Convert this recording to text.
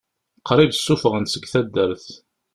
Qrib ssufɣen-t seg taddart.